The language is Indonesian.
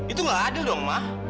itu nggak adil dong ma